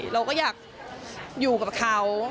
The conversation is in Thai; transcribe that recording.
เราก็อยากอยู่กับเขา